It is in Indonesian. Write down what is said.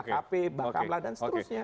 kkp bakam lah dan seterusnya